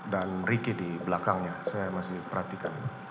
dan ricky di belakangnya saya masih perhatikan